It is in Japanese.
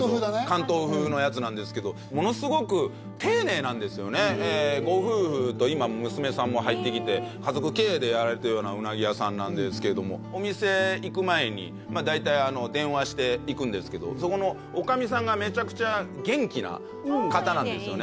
関東風のやつなんですけどご夫婦と今娘さんも入ってきて家族経営でやられてるようなうなぎ屋さんなんですけどもお店行く前に大体電話して行くんですけどそこの女将さんがめちゃくちゃ元気な方なんですよね